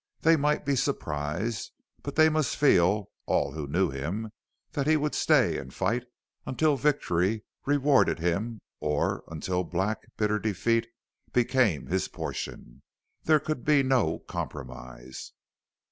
They might be surprised, but they must feel, all who knew him, that he would stay and fight until victory rewarded him or until black, bitter defeat became his portion. There could be no compromise.